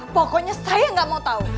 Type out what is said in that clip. pokoknya saya gak mau tau